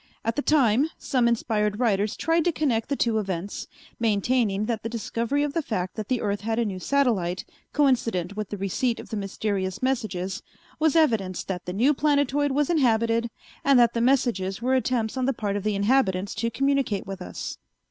At the time, some inspired writers tried to connect the two events, maintaining that the discovery of the fact that the earth had a new satellite coincident with the receipt of the mysterious messages was evidence that the new planetoid was inhabited and that the messages were attempts on the part of the inhabitants to communicate with us.